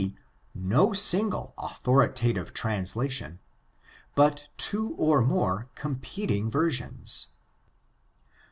d. no single authoritative translation, but two or more competing versions.